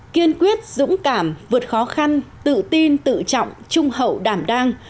kiên quyết dũng cảm vượt khó khăn tự tin tự trọng trung hậu đảm đang